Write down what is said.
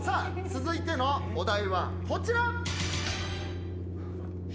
続いてのお題はこちら！